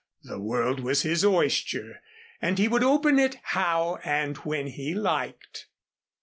The world was his oyster and he would open it how and when he liked.